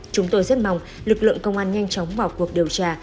chúng tôi rất mong lực lượng công an nhanh chóng vào cuộc điều tra